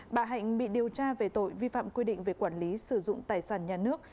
bà hạnh bị điều tra về tội vi phạm quy định về quản lý sử dụng tài sản nhà nước